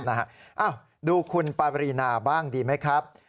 ดูคุณปารีนาบ้างดีไหมครับ